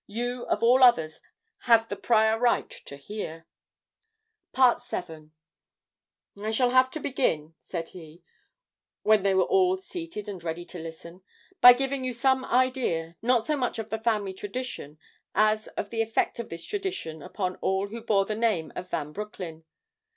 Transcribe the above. You of all others have the prior right to hear." VII "I shall have to begin," said he, when they were all seated and ready to listen, "by giving you some idea, not so much of the family tradition, as of the effect of this tradition upon all who bore the name of Van Broecklyn.